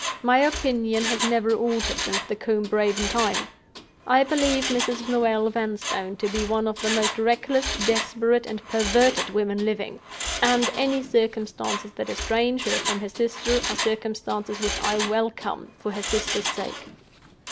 My opinion has never altered since the Combe Raven time. I believe Mrs. Noel Vanstone to be one of the most reckless, desperate, and perverted women living; and any circumstances that estrange her from her sister are circumstances which I welcome, for her sister's sake.